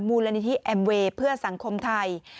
มูลนิธิแอมเวย์เพื่อสังคมไทย